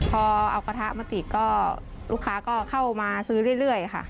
พอเอากระทะมาติดก็ลูกค้าก็เข้ามาซื้อเรื่อยค่ะ